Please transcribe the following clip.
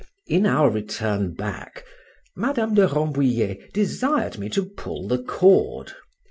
—In our return back, Madame de Rambouliet desired me to pull the cord.